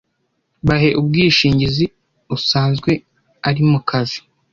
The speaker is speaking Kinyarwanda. bahe ubwishingizi usanzwe ari mu kazi